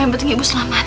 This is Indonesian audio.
yang berarti ibu selamat